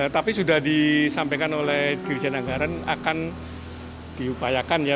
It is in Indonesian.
tapi sudah disampaikan oleh dirijen anggaran akan diupayakan ya